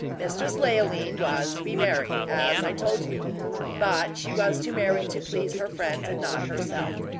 Mistress Leoline was to be married, as I told you; but she was to marry to please her friends, and not herself.